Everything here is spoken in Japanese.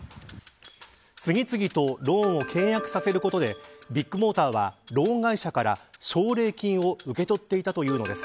次々とローンを契約させることでビッグモーターはローン会社から奨励金を受け取っていたというのです。